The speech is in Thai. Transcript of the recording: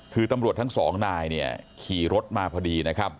คือตำรวจทั้งสองนายเนี่ยขี่รถมาพอดีนะครับ